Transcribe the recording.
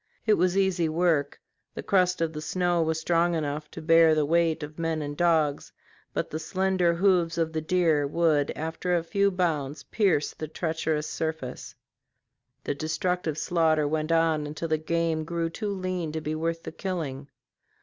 It was easy work; the crust of the snow was strong enough to bear the weight of men and dogs, but the slender hoofs of the deer would after a few bounds pierce the treacherous surface. This destructive slaughter went on until the game grew too lean to be worth the killing.